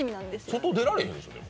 外、出られへんでしょ？